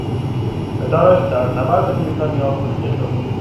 پدرش در نبرد بریتانیا کشته شد.